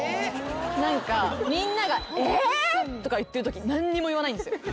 みんながえ！？とか言ってるとき何にも言わないんですよ。